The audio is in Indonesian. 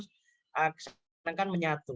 seharusnya kan menyatu